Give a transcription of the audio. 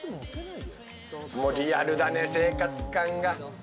リアルだね生活感が。